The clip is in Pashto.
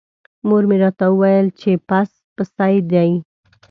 مور مې راته وویل چې پس پسي دی.